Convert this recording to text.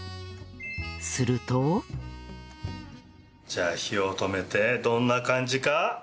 するとじゃあ火を止めてどんな感じか。